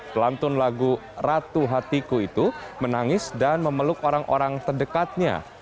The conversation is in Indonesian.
pelantun lagu ratu hatiku itu menangis dan memeluk orang orang terdekatnya